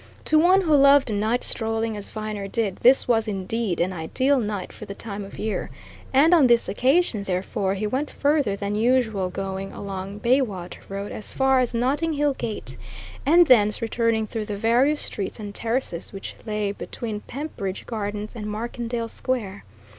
To one who loved night strolling, as Viner did, this was indeed an ideal night for the time of year; and on this occasion, therefore, he went further than usual going along Bayswater Road as far as Notting Hill Gate, and thence returning through the various streets and terraces which lay between Pembridge Gardens and Markendale Square.